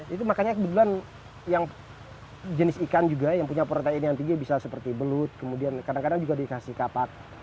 itu makanya kebetulan yang jenis ikan juga yang punya protein yang tinggi bisa seperti belut kemudian kadang kadang juga dikasih kapak